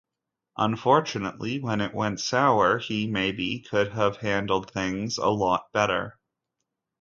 Unfortunately when it went sour he, maybe, could have handled things a lot better.